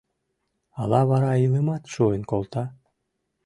Ала вара илымат шуын колта?